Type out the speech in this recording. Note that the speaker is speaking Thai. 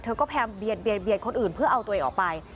ก็พยายามเบียดคนอื่นเพื่อเอาตัวเองออกไป